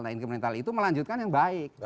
nah incummental itu melanjutkan yang baik